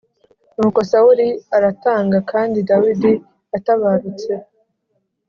Nuko Sawuli aratanga Kandi Dawidi atabarutse